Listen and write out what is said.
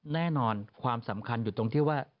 แน่นอนความสำคัญอยู่ตรงที่ว่า